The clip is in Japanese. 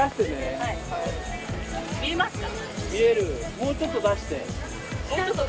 もうちょっと出して。